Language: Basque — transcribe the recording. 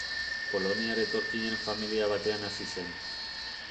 Poloniar etorkinen familia batean hazi zen.